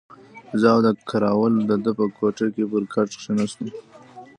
زه او کراول د ده په کوټه کې پر کټ کښېناستو.